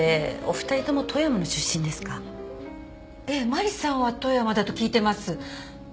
マリさんは富山だと聞いてます。